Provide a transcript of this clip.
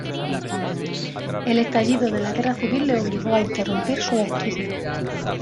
El estallido de la Guerra Civil le obligó a interrumpir sus estudios.